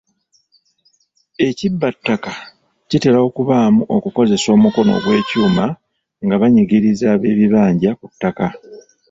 Ekibbattaka kitera okubaamu okukozesa omukono ogwekyuma nga banyigiriza ab'ebibanja ku ttaka..